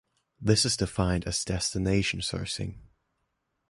This is defined as "destination" sourcing.